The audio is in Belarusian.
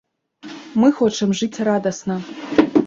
Мы хочам жыць радасна.